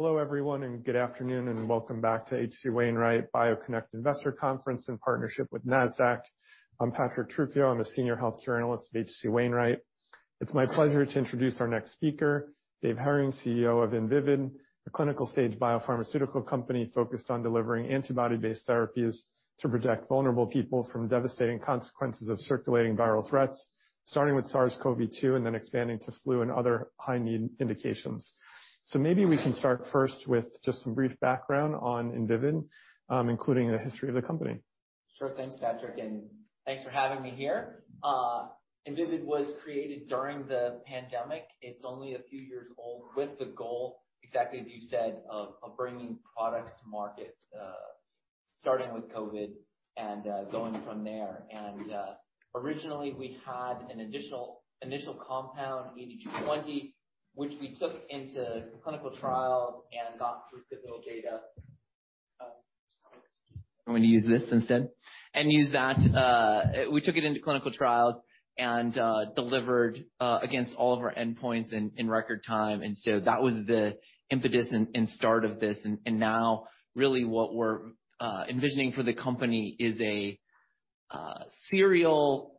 Hello everyone, and good afternoon and welcome back to H.C. Wainwright BioConnect Investor Conference in partnership with Nasdaq. I'm Patrick Trucchio. I'm a senior healthcare analyst at H.C. Wainwright. It's my pleasure to introduce our next speaker, David Hering, CEO of Invivyd, a clinical stage biopharmaceutical company focused on delivering antibody-based therapies to protect vulnerable people from devastating consequences of circulating viral threats, starting with SARS-CoV-2 and then expanding to flu and other high-need indications. Maybe we can start first with just some brief background on Invivyd, including the history of the company. Sure thing, Patrick, thanks for having me here. Invivyd was created during the pandemic. It's only a few years old with the goal, exactly as you said, of bringing products to market, starting with COVID and going from there. Originally we had an additional initial compound, ADG20, which we took into clinical trials and got through pivotal data. I'm gonna use this instead. Use that. We took it into clinical trials and delivered against all of our endpoints in record time. That was the impetus and start of this. Now really what we're envisioning for the company is a serial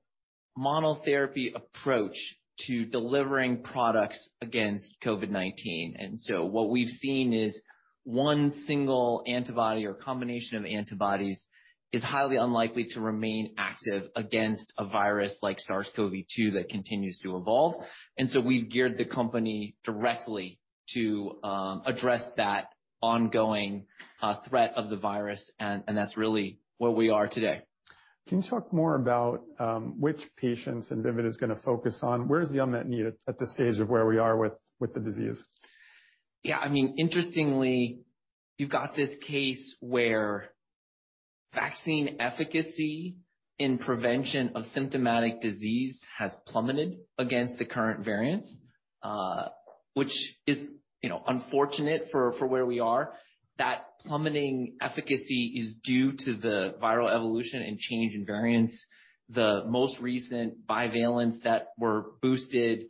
monotherapy approach to delivering products against COVID-19. What we've seen is one single antibody or combination of antibodies is highly unlikely to remain active against a virus like SARS-CoV-2 that continues to evolve. We've geared the company directly to address that ongoing threat of the virus and that's really where we are today. Can you talk more about, which patients Invivyd is gonna focus on? Where is the unmet need at this stage of where we are with the disease? Yeah, I mean, interestingly, you've got this case where vaccine efficacy in prevention of symptomatic disease has plummeted against the current variants, which is, you know, unfortunate for where we are. That plummeting efficacy is due to the viral evolution and change in variants. The most recent bivalents that were boosted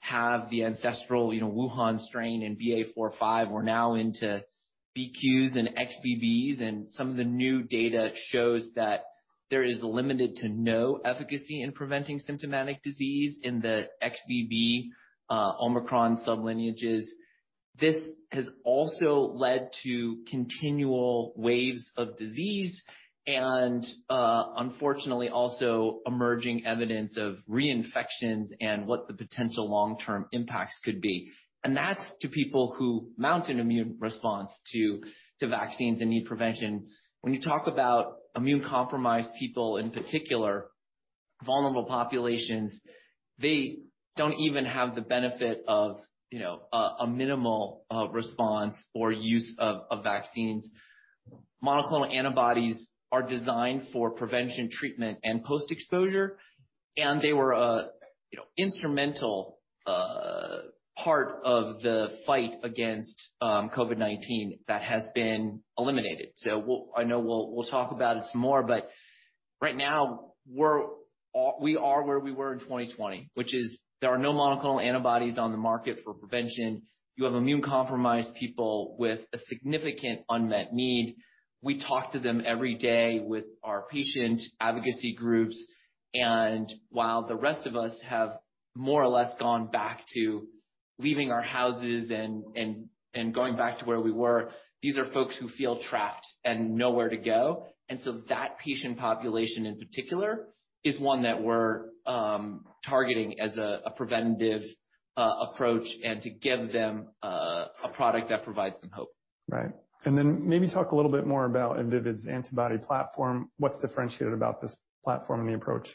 have the ancestral, you know, Wuhan strain and BA.4/5. We're now into BQ.1s and XBBs, some of the new data shows that there is limited to no efficacy in preventing symptomatic disease in the XBB Omicron sub lineages. This has also led to continual waves of disease and, unfortunately, also emerging evidence of reinfections and what the potential long-term impacts could be. That's to people who mount an immune response to vaccines and need prevention. When you talk about immune compromised people, in particular vulnerable populations, they don't even have the benefit of, you know, a minimal response or use of vaccines. Monoclonal antibodies are designed for prevention, treatment, and post-exposure, and they were, you know, instrumental part of the fight against COVID-19 that has been eliminated. I know we'll talk about it some more, but right now we are where we were in 2020, which is there are no monoclonal antibodies on the market for prevention. You have immune compromised people with a significant unmet need. We talk to them every day with our patient advocacy groups, and while the rest of us have more or less gone back to leaving our houses and going back to where we were, these are folks who feel trapped and nowhere to go. That patient population in particular is one that we're targeting as a preventative approach and to give them a product that provides them hope. Right. Maybe talk a little bit more about Invivyd's antibody platform. What's differentiated about this platform and the approach?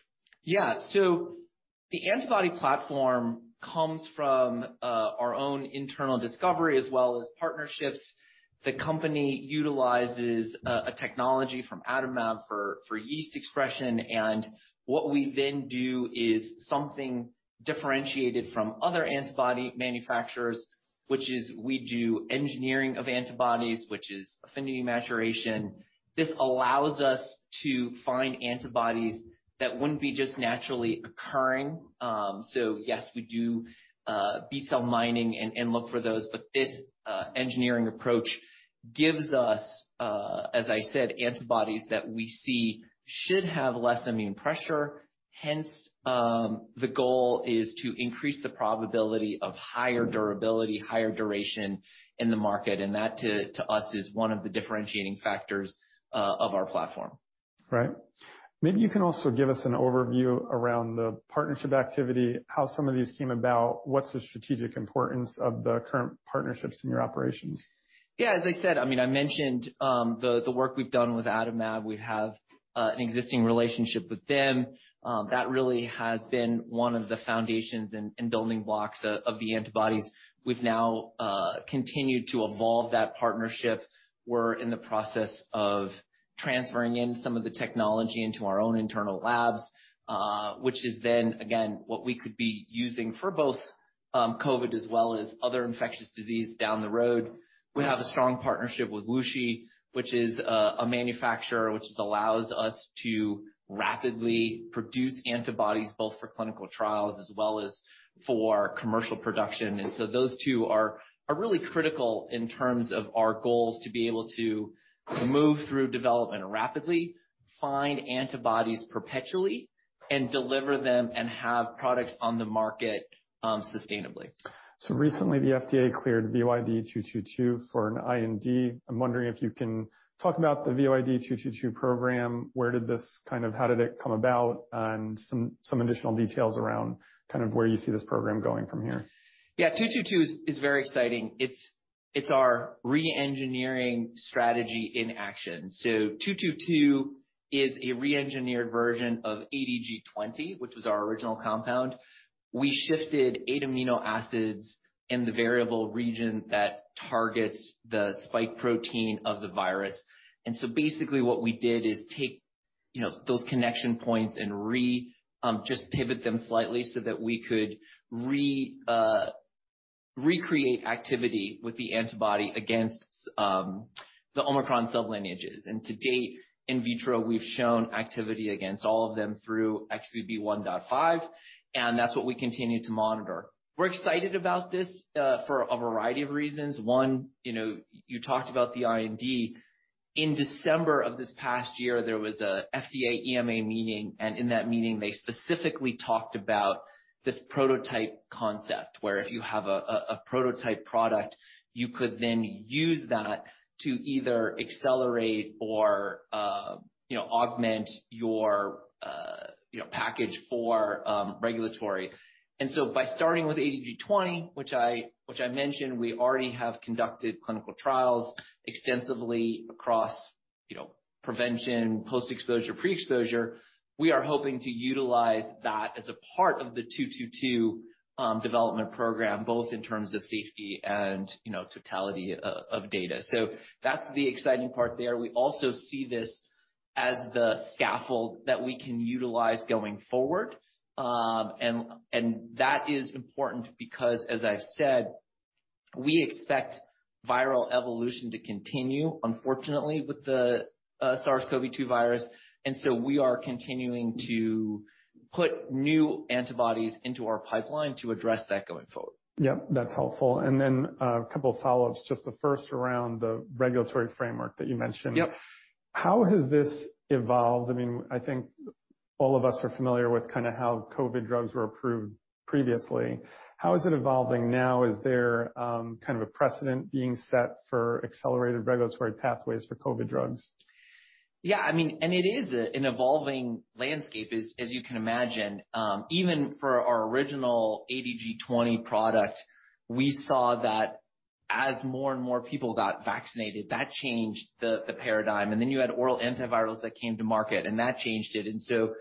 Yeah. The antibody platform comes from our own internal discovery as well as partnerships. The company utilizes a technology from Adimab for yeast display. What we then do is something differentiated from other antibody manufacturers, which is we do engineering of antibodies, which is affinity maturation. This allows us to find antibodies that wouldn't be just naturally occurring. So yes, we do B-cell mining and look for those, but this engineering approach gives us, as I said, antibodies that we see should have less immune pressure. Hence, the goal is to increase the probability of higher durability, higher duration in the market. That to us, is one of the differentiating factors of our platform. Right. Maybe you can also give us an overview around the partnership activity, how some of these came about, what's the strategic importance of the current partnerships in your operations? Yeah, as I said, I mean, I mentioned the work we've done with Adimab. We have an existing relationship with them. That really has been one of the foundations and building blocks of the antibodies. We've now continued to evolve that partnership. We're in the process of transferring in some of the technology into our own internal labs, which is then again, what we could be using for both COVID as well as other infectious disease down the road. We have a strong partnership with WuXi, which is a manufacturer which allows us to rapidly produce antibodies both for clinical trials as well as for commercial production. Those two are really critical in terms of our goals to be able to move through development rapidly, find antibodies perpetually, and deliver them and have products on the market sustainably. Recently the FDA cleared VYD222 for an IND. I'm wondering if you can talk about the VYD222 program. Where did this kind of how did it come about? Some additional details around kind of where you see this program going from here. Yeah, 222 is very exciting. It's our re-engineering strategy in action. 222 is a re-engineered version of ADG20, which was our original compound. We shifted eight amino acids in the variable region that targets the spike protein of the virus. Basically what we did is take, you know, those connection points and just pivot them slightly so that we could recreate activity with the antibody against the Omicron sub lineages. To date, in vitro, we've shown activity against all of them through XBB.1.5, and that's what we continue to monitor. We're excited about this for a variety of reasons. One, you know, you talked about the IND. In December of this past year, there was a FDA EMA meeting. In that meeting, they specifically talked about this prototype concept where if you have a prototype product, you could then use that to either accelerate or, you know, augment your, you know, package for regulatory. By starting with ADG20, which I mentioned, we already have conducted clinical trials extensively across, you know, prevention, post-exposure, pre-exposure. We are hoping to utilize that as a part of the 222 development program, both in terms of safety and, you know, totality of data. That's the exciting part there. We also see this as the scaffold that we can utilize going forward. That is important because, as I've said, we expect viral evolution to continue, unfortunately, with the SARS-CoV-2 virus. We are continuing to put new antibodies into our pipeline to address that going forward. Yeah, that's helpful. Then a couple of follow-ups, just the first around the regulatory framework that you mentioned. Yep. How has this evolved? I mean, I think all of us are familiar with kind of how COVID drugs were approved previously. How is it evolving now? Is there, kind of a precedent being set for accelerated regulatory pathways for COVID drugs? Yeah, I mean, it is an evolving landscape as you can imagine. Even for our original ADG20 product, we saw that as more and more people got vaccinated, that changed the paradigm. Then you had oral antivirals that came to market, and that changed it. So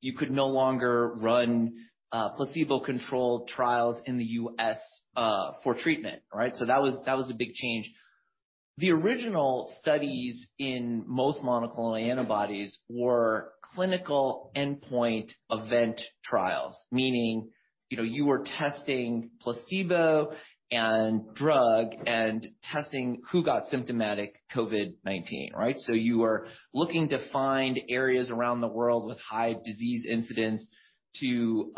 you could no longer run placebo-controlled trials in the U.S. for treatment, right? That was a big change. The original studies in most monoclonal antibodies were clinical endpoint event trials, meaning, you know, you were testing placebo and drug and testing who got symptomatic COVID-19, right? You are looking to find areas around the world with high disease incidents to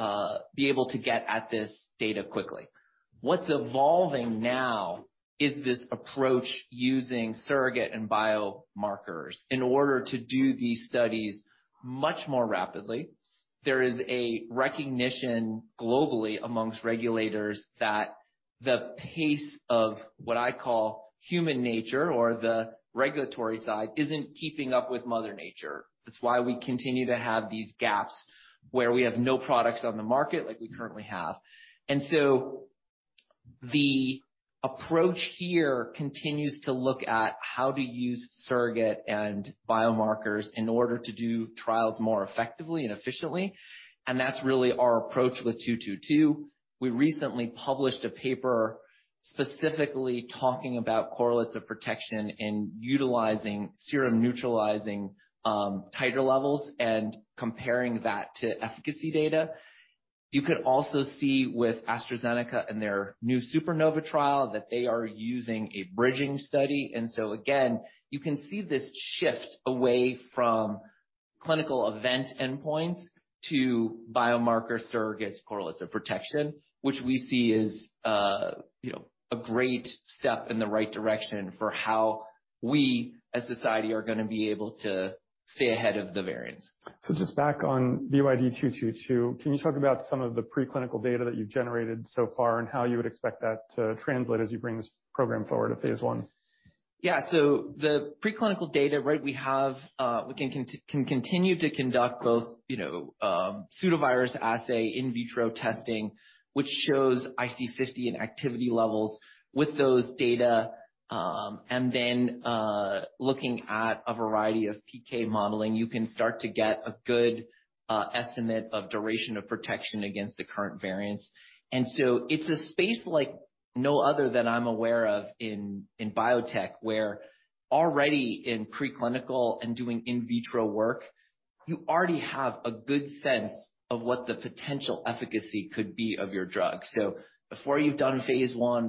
be able to get at this data quickly. What's evolving now is this approach using surrogate and biomarkers in order to do these studies much more rapidly. There is a recognition globally amongst regulators that the pace of what I call human nature or the regulatory side isn't keeping up with mother nature. That's why we continue to have these gaps where we have no products on the market like we currently have. The approach here continues to look at how to use surrogate and biomarkers in order to do trials more effectively and efficiently. That's really our approach with 222. We recently published a paper specifically talking about correlates of protection in utilizing serum neutralizing titer levels and comparing that to efficacy data. You could also see with AstraZeneca and their new SUPERNOVA trial that they are using a bridging study. Again, you can see this shift away from clinical event endpoints to biomarker surrogates correlates of protection, which we see is, you know, a great step in the right direction for how we as society are going to be able to stay ahead of the variants. Just back on VYD222, can you talk about some of the preclinical data that you've generated so far and how you would expect that to translate as you bring this program forward to phase I? The preclinical data, right, we have, we can continue to conduct both, you know, pseudovirus assay in vitro testing, which shows IC50 in activity levels with those data. Looking at a variety of PK modeling, you can start to get a good estimate of duration of protection against the current variants. It's a space like no other than I'm aware of in biotech, where already in preclinical and doing in vitro work, you already have a good sense of what the potential efficacy could be of your drug. Before you've done phase I,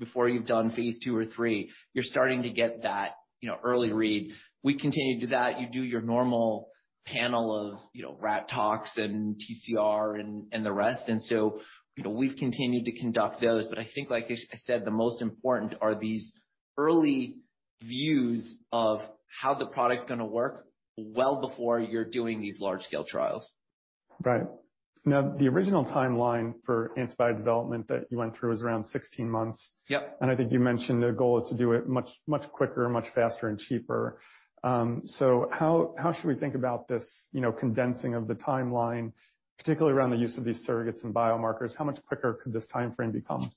before you've done phase II or III, you're starting to get that, you know, early read. We continue to do that. You do your normal panel of, you know, rat tox and TCR and the rest. You know, we've continued to conduct those. I think, like I said, the most important are these early views of how the product's gonna work well before you're doing these large scale trials. Right. Now, the original timeline for antibody development that you went through is around 16 months. Yep. I think you mentioned the goal is to do it much, much quicker, much faster and cheaper. How should we think about this, you know, condensing of the timeline, particularly around the use of these surrogates and biomarkers? How much quicker could this timeframe become?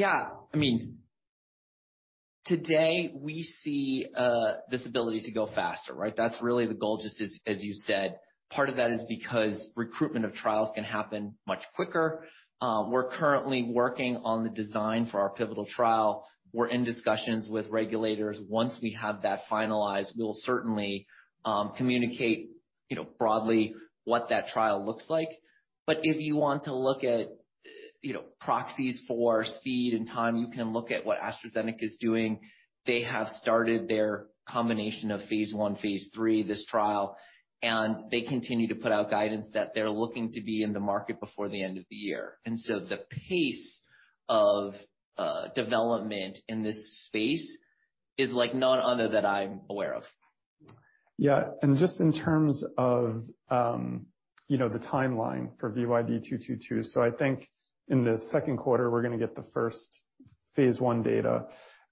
I mean, today we see this ability to go faster, right? That's really the goal, just as you said. Part of that is because recruitment of trials can happen much quicker. We're currently working on the design for our pivotal trial. We're in discussions with regulators. Once we have that finalized, we'll certainly communicate, you know, broadly what that trial looks like. If you want to look at, you know, proxies for speed and time, you can look at what AstraZeneca is doing. They have started their combination of phase I, phase III, this trial. They continue to put out guidance that they're looking to be in the market before the end of the year. The pace of development in this space is like none other that I'm aware of. Yeah. Just in terms of, you know, the timeline for VYD222. I think in the Q2, we're gonna get the first phase I data.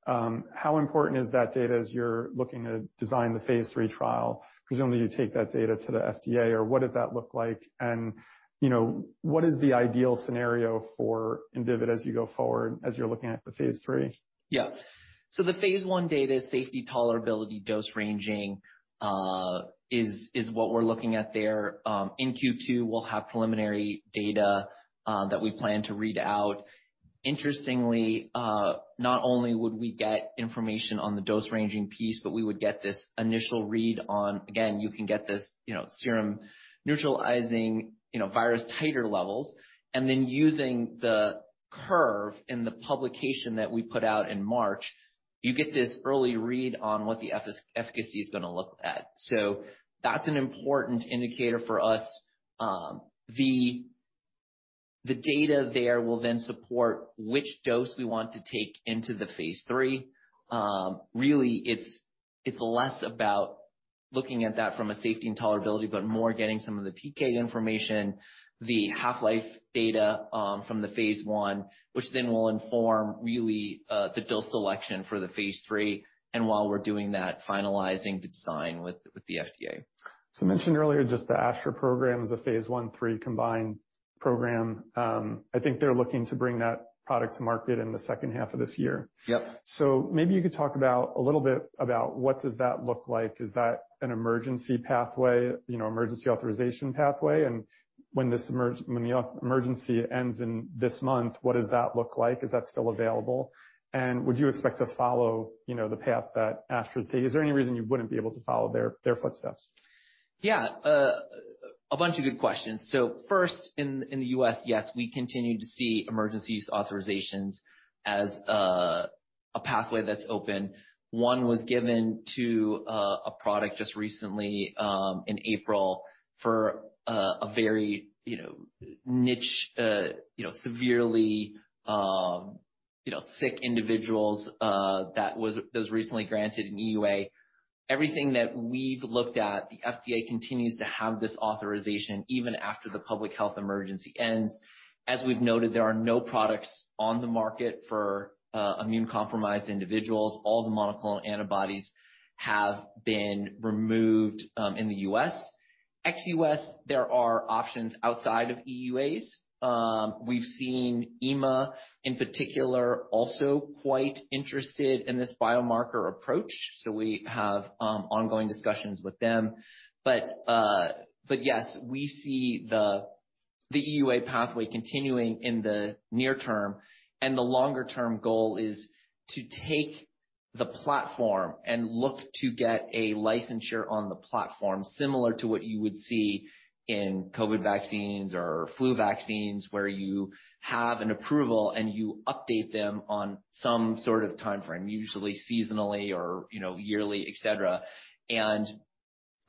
How important is that data as you're looking to design the phase III trial? Presumably, you take that data to the FDA or what does that look like? You know, what is the ideal scenario for Invivyd as you go forward, as you're looking at the phase III? Yeah. The phase I data is safety tolerability. Dose ranging is what we're looking at there. In Q2, we'll have preliminary data that we plan to read out. Interestingly, not only would we get information on the dose ranging piece, but we would get this initial read on, again, you can get this, you know, serum neutralizing, you know, virus titer levels, and then using the curve in the publication that we put out in March, you get this early read on what the efficacy is gonna look at. That's an important indicator for us. The data there will then support which dose we want to take into the phase III. Really, it's less about looking at that from a safety and tolerability, but more getting some of the PK information, the half-life data, from the phase I, which then will inform really the dose selection for the phase III, and while we're doing that, finalizing the design with the FDA. I mentioned earlier just the Astra program is a phase I, III combined program. I think they're looking to bring that product to market in the H2 of this year. Yep. Maybe you could talk a little bit about what does that look like? Is that an emergency pathway, you know, emergency authorization pathway? When the public health emergency ends in this month, what does that look like? Is that still available? Would you expect to follow, you know, the path that Astra's taking? Is there any reason you wouldn't be able to follow their footsteps? Yeah. A bunch of good questions. First, in the U.S., yes, we continue to see emergency use authorizations as a pathway that's open. One was given to a product just recently in April for a very, you know, niche, you know, severely, you know, sick individuals that was recently granted an EUA. Everything that we've looked at, the FDA continues to have this authorization even after the public health emergency ends. As we've noted, there are no products on the market for immune-compromised individuals. All the monoclonal antibodies have been removed in the U.S. Ex-U.S., there are options outside of EUAs. We've seen EMA in particular also quite interested in this biomarker approach, so we have ongoing discussions with them. Yes, we see the EUA pathway continuing in the near term, and the longer term goal is to take the platform and look to get a licensure on the platform similar to what you would see in COVID vaccines or flu vaccines, where you have an approval, and you update them on some sort of timeframe, usually seasonally or, you know, yearly, etc.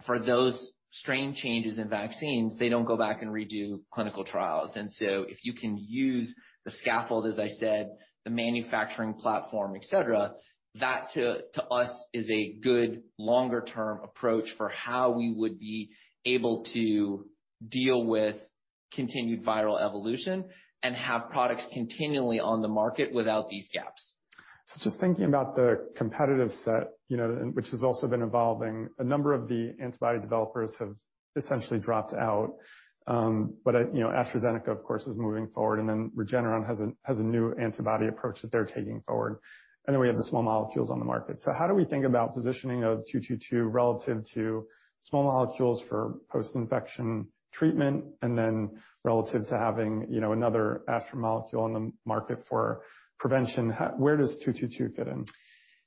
For those strain changes in vaccines, they don't go back and redo clinical trials. If you can use the scaffold, as I said, the manufacturing platform, etc, that to us is a good longer term approach for how we would be able to deal with continued viral evolution and have products continually on the market without these gaps. Just thinking about the competitive set, you know, and which has also been evolving, a number of the antibody developers have essentially dropped out. You know, AstraZeneca, of course, is moving forward, and Regeneron has a new antibody approach that they're taking forward. We have the small molecules on the market. How do we think about positioning of 222 relative to small molecules for post-infection treatment and then relative to having, you know, another Astra molecule on the market for prevention? Where does 222 fit in?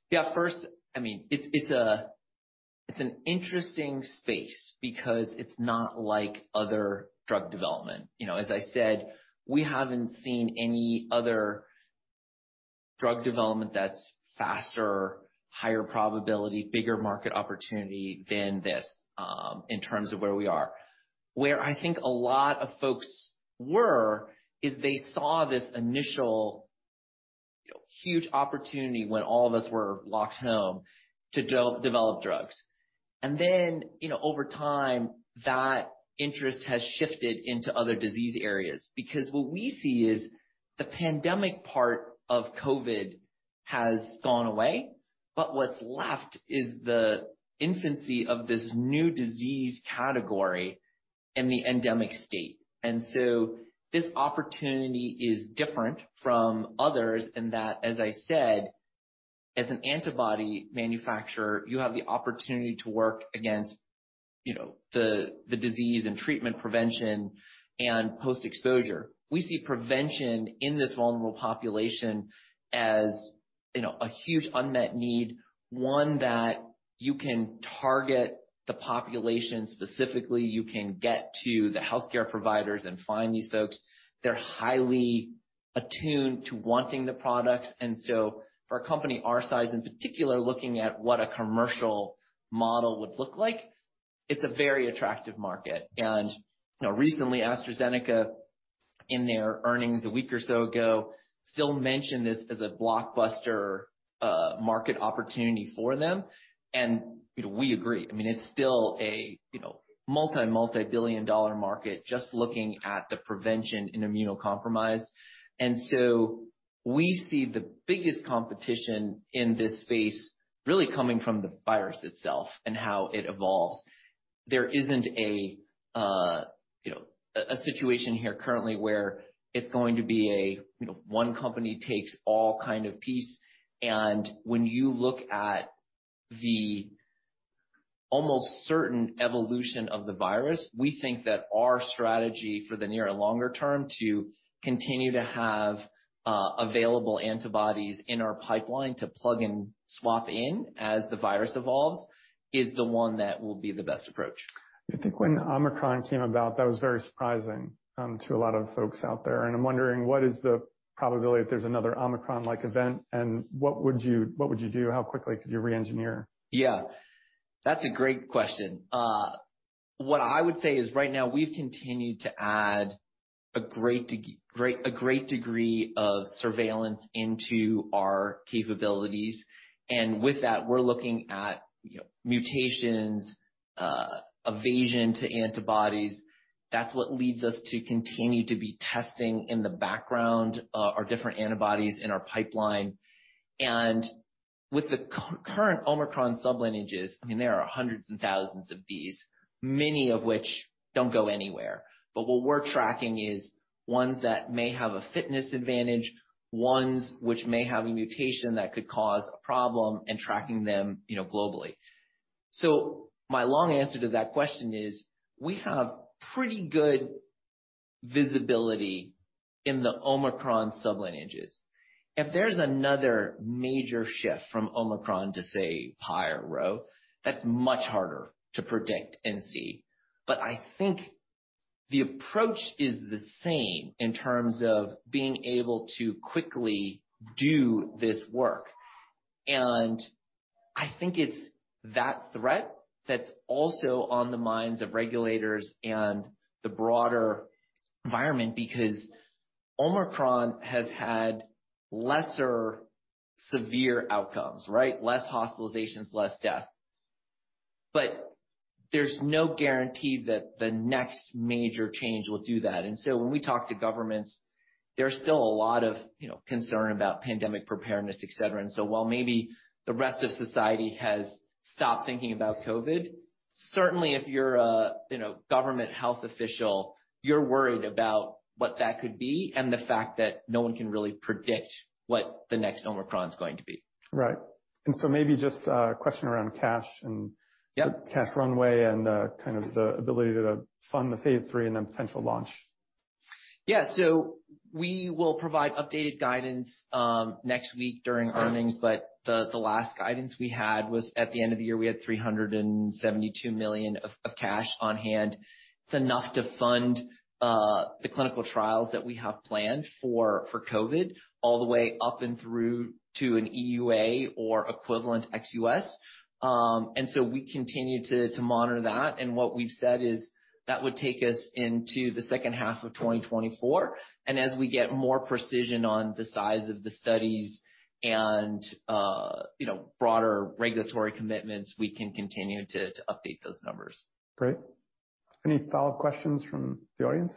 Yeah. First, I mean, it's an interesting space because it's not like other drug development. You know, as I said, we haven't seen any other drug development that's faster, higher probability, bigger market opportunity than this, in terms of where we are. Where I think a lot of folks were is they saw this initial, you know, huge opportunity when all of us were locked home to develop drugs. You know, over time, that interest has shifted into other disease areas because what we see is the pandemic part of COVID has gone away, but what's left is the infancy of this new disease category in the endemic state. This opportunity is different from others in that, as I said, as an antibody manufacturer, you have the opportunity to work against, you know, the disease and treatment prevention and post-exposure. We see prevention in this vulnerable population as, you know, a huge unmet need, one that you can target the population specifically, you can get to the healthcare providers and find these folks. They're highly attuned to wanting the products. For a company our size in particular, looking at what a commercial model would look like, it's a very attractive market. You know, recently, AstraZeneca in their earnings a week or so ago still mentioned this as a blockbuster market opportunity for them. You know, we agree. I mean, it's still a, you know, multi-billion dollar market just looking at the prevention in immunocompromised. We see the biggest competition in this space really coming from the virus itself and how it evolves. There isn't a, you know, a situation here currently where it's going to be a, you know, one company takes all kind of piece. When you look at the almost certain evolution of the virus, we think that our strategy for the near and longer term to continue to have available antibodies in our pipeline to plug and swap in as the virus evolves is the one that will be the best approach. I think when Omicron came about, that was very surprising, to a lot of folks out there, and I'm wondering what is the probability that there's another Omicron-like event and what would you do? How quickly could you re-engineer? Yeah, that's a great question. What I would say is right now we've continued to add a great degree of surveillance into our capabilities. With that, we're looking at, you know, mutations, evasion to antibodies. That's what leads us to continue to be testing in the background, our different antibodies in our pipeline. With the current Omicron sub lineages, I mean, there are hundreds and thousands of these, many of which don't go anywhere. What we're tracking is ones that may have a fitness advantage, ones which may have a mutation that could cause a problem and tracking them, you know, globally. My long answer to that question is we have pretty good visibility in the Omicron sub lineages. If there's another major shift from Omicron to, say, Pi or Rho, that's much harder to predict and see. I think the approach is the same in terms of being able to quickly do this work. I think it's that threat that's also on the minds of regulators and the broader environment, because Omicron has had lesser severe outcomes, right? Less hospitalizations, less deaths. There's no guarantee that the next major change will do that. When we talk to governments, there's still a lot of, you know, concern about pandemic preparedness, et cetera. While maybe the rest of society has stopped thinking about COVID, certainly if you're a, you know, government health official, you're worried about what that could be and the fact that no one can really predict what the next Omicron is going to be. Right. Maybe just a question around cash and. Yep. cash runway, kind of the ability to fund the phase III and then potential launch. Yeah. We will provide updated guidance next week during earnings, but the last guidance we had was at the end of the year, we had $372 million of cash on hand. It's enough to fund the clinical trials that we have planned for COVID all the way up and through to an EUA or equivalent ex-U.S. We continue to monitor that. What we've said is that would take us into the H2 of 2024. As we get more precision on the size of the studies and, you know, broader regulatory commitments, we can continue to update those numbers. Great. Any follow-up questions from the audience?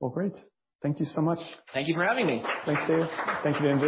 Well, great. Thank you so much. Thank you for having me. Thanks, Dave. Thank you very much.